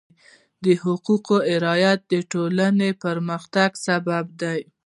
د حقوقو رعایت د ټولنې پرمختګ سبب دی.